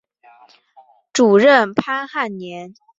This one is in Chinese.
主任潘汉年。